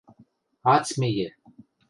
Ат смейӹ!